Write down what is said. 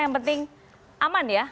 yang penting aman ya